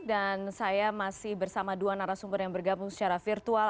dan saya masih bersama dua narasumber yang bergabung secara virtual